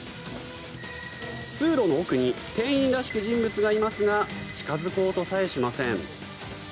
通路の奥に店員らしき人物がいますが近付こうとさえしません。